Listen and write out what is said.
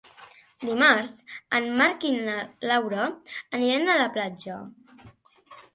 Dimarts en Marc i na Laura aniran a la platja.